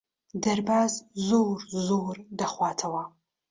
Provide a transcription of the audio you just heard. دەرباز زۆر زۆر دەخواتەوە.